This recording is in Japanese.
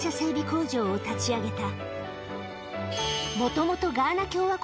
工場を立ち上げた